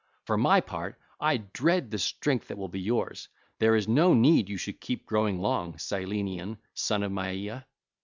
For my part, I dread the strength that will be yours: there is no need you should keep growing long, Cyllenian, son of Maia!